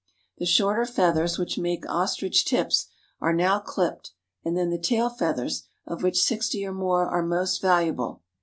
The shorter feathers, which make ostrich tips, are now clipped and then the tail feathers, of which sixty or more are most valuable.